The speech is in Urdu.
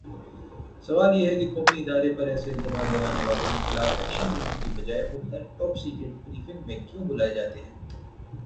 سوال یہ ہےکہ قومی ادارے پر ایسےالزامات لگانے والوں کے خلاف ایکشن لینے کی بجائے وہ ہر ٹاپ سیکرٹ بریفنگ میں کیوں بلائےجاتے ہیں